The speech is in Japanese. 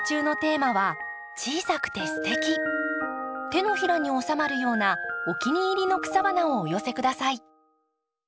手のひらにおさまるようなお気に入りの草花をお寄せ下さい。